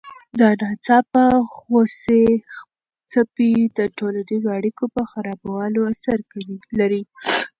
د ناڅاپه غوسې څپې د ټولنیزو اړیکو په خرابوالي اثر لري.